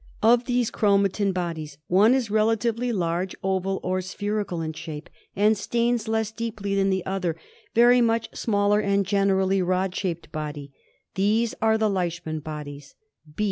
Of these chromatin bodies one is relatively large, oval or spherical in shape, and stains less deeply than the other very much smaller and generally rod shaped body. These are the Leishman bodies.